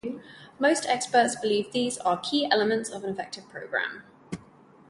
Most experts believe these are key elements of an effective program.